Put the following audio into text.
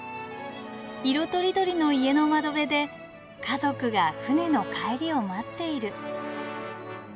色とりどりの家の窓辺で家族が船の帰りを待っている。